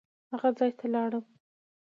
هغه ځای ته لاړم.